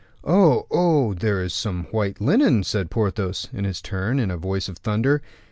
"Oh, oh! there is some white linen!" said Porthos, in his turn, in a voice of thunder.